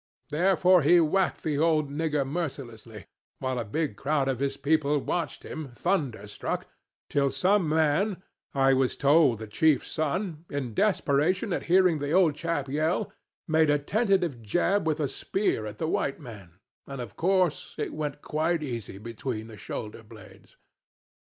Therefore he whacked the old nigger mercilessly, while a big crowd of his people watched him, thunderstruck, till some man, I was told the chief's son, in desperation at hearing the old chap yell, made a tentative jab with a spear at the white man and of course it went quite easy between the shoulder blades.